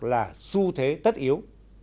là xu thế tất yếu